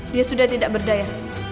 dia sudah tidak berdaya